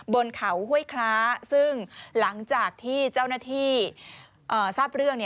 บนเขาห้วยคล้าซึ่งหลังจากที่เจ้าหน้าที่ทราบเรื่อง